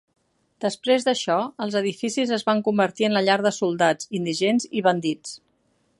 Després d'això, els edificis es van convertir en la llar de soldats, indigents i bandits.